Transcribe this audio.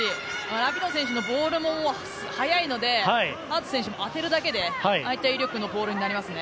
ラピノ選手のボールも速いのでアーツ選手も当てるだけでああいった威力のボールになりますね。